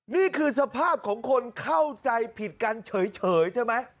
นี่คือสภาพของคนเข้าใจผิดกันเฉยใช่ไหม